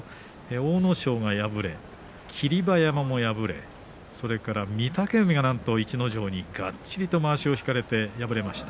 阿武咲が敗れ、霧馬山も敗れ御嶽海は何と逸ノ城にがっちりとまわしを引かれて敗れました。